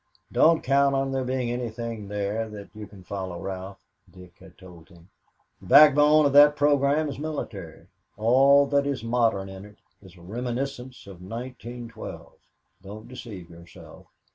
"Don't count on there being anything there that you can follow, Ralph," Dick had told him. "The backbone of that program is military, all that is modern in it is a reminiscence of 1912. Don't deceive yourself.